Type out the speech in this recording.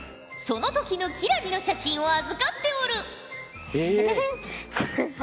その時の輝星の写真を預かっておる！